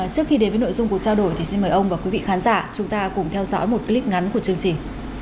trước khi đến với nội dung cuộc trao đổi thì xin mời ông và quý vị khán giả chúng ta cùng theo dõi một clip ngắn của chương trình